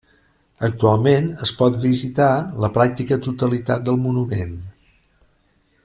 Actualment es pot visitar la pràctica totalitat del monument.